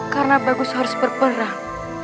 karena bagus harus berperang